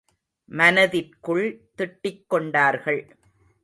மனதிற்குள் திட்டிக் கொண்டார்கள்.